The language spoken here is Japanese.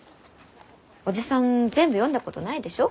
おじさん全部読んだことないでしょ？